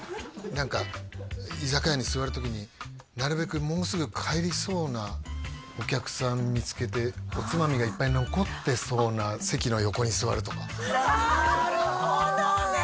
何か居酒屋に座る時になるべくもうすぐ帰りそうなお客さん見つけておつまみがいっぱい残ってそうな席の横に座るとかなるほどね！